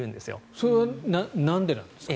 それはなんでなんですかね？